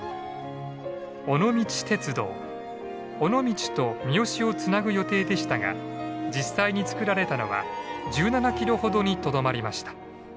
尾道と三次をつなぐ予定でしたが実際に造られたのは１７キロほどにとどまりました。